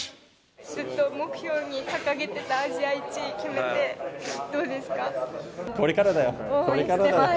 ずっと目標に掲げてたアジアこれからだよ、これからだよ。